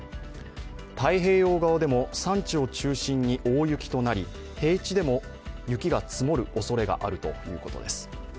太平洋側でも山地を中心に大雪となり平地でも雪が積もるおそれがあるということです。